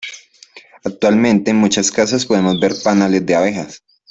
Actualmente en muchas casas podemos ver panales de abejas.